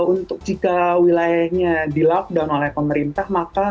untuk jika wilayahnya di lockdown oleh pemerintah maka